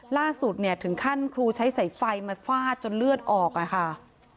ล่าสุดเนี่ยถึงขั้นครูใช้สายไฟมาฟาดจนเลือดออกอะค่ะ